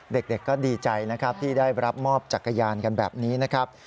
เด็กก็ดีใจนะครับที่ได้รับมอบจักรยานกันแบบนี้นะครับ